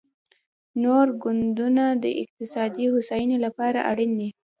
نور ګوندونه د اقتصادي هوساینې لپاره اړین دي